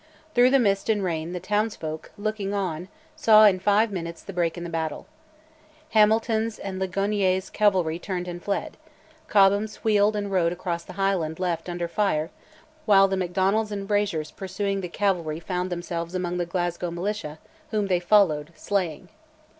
Through the mist and rain the townsfolk, looking on, saw in five minutes "the break in the battle." Hamilton's and Ligonier's cavalry turned and fled, Cobham's wheeled and rode across the Highland left under fire, while the Macdonalds and Frazers pursuing the cavalry found themselves among the Glasgow militia, whom they followed, slaying.